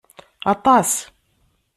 Aṭṭas!